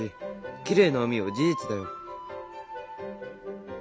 きれいな海は事実だよ。